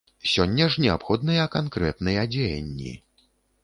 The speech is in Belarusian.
Сёння ж неабходныя канкрэтныя дзеянні.